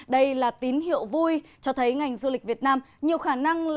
đây là tín hiệu vui cho thấy ngành du lịch việt nam nhiều khả năng